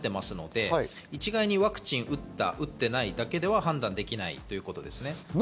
一概にワクチンを打った打ってないだけでは判断できないということですね。